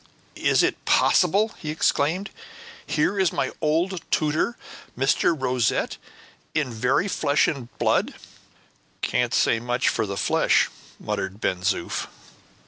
"Is it possible?" he exclaimed. "Here is my old tutor, Mr. Rosette, in very flesh and blood." "Can't say much for the flesh," muttered Ben Zoof.